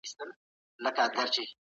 ایا کورني سوداګر کیشمیش پلوري؟